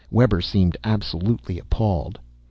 Webber seemed absolutely appalled.